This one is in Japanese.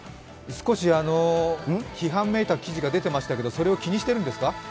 少し批判めいた記事が出てましたけど、それを気にしてるんですか？